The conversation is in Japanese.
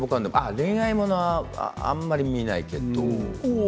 恋愛ものはあんまり見ないけど。